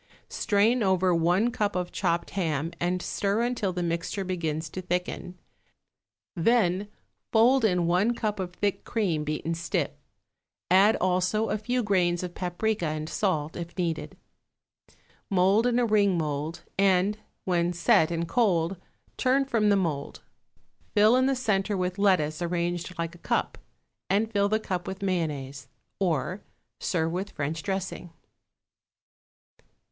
Strain over one cup of chopped ham and stir until the mixture begins to thicken, then fold in one cup of thick cream beaten stiff; add, also, a few grains of paprica and salt, if needed. Mould in a ring mould, and, when set and cold, turn from the mould; fill in the centre with lettuce arranged like a cup, and fill the cup with mayonnaise. Or, serve with French dressing.